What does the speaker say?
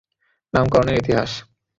নামকরণের ইতিহাস।